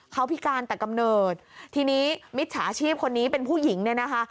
เขาพิการแต่กำเนิดทีนี้มิจฉาชีพคนนี้เป็นผู้หญิงเนี่ยนะคะ